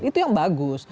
itu yang bagus